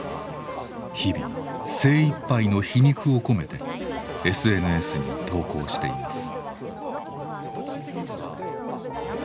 日々精いっぱいの皮肉を込めてＳＮＳに投稿しています。